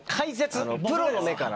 プロの目から。